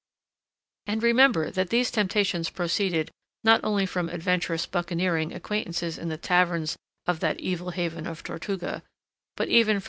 And remember that these temptations proceeded not only from adventurous buccaneering acquaintances in the taverns of that evil haven of Tortuga, but even from M.